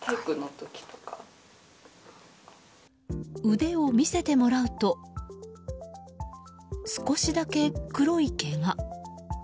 腕を見せてもらうと少しだけ黒い毛が。